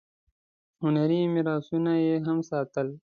هنري میراثونه یې هم ساتل.